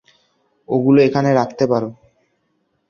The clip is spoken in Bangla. ওগুলো এখানে রাখতে পারো।